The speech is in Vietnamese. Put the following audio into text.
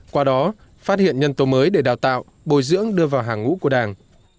qua đó phát hiện nhân tố mới để đào tạo bồi dưỡng đưa vào hàng ngũ của đảng